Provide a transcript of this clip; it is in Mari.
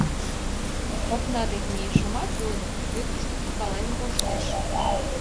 Окна деке мийышымат, йодым: «Кӧ тушто тӱкален коштеш?»